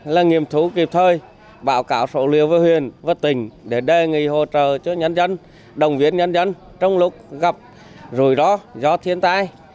là nghiệm thú kịp thời báo cáo sổ liều với huyện và tỉnh để đề nghị hỗ trợ cho nhân dân đồng viên nhân dân trong lúc gặp rủi ro do thiên tai